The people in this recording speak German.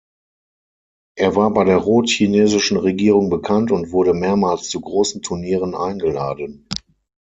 Er war bei der rot-chinesischen Regierung bekannt und wurde mehrmals zu großen Turnieren eingeladen.